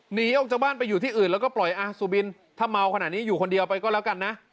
หนีออกจากบ้านไปอยู่ที่อื่นแล้วก็ปล่อยสุบินถ้าเมาขนาดนี้อยู่คนเดียวไปก็แล้วกันนะ